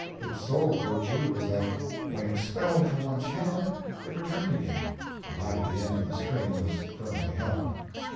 Its sole virtue was that when expelled from one's hand, it returned again, provided the end of the string was firmly held.